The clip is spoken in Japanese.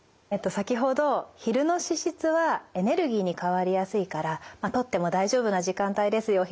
先ほど昼の脂質はエネルギーに変わりやすいからとっても大丈夫な時間帯ですよ